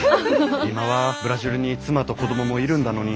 今はブラジルに妻と子供もいるんだのに。